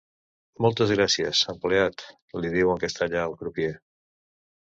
Moltes gràcies, empleat —li diu en castellà al crupier—.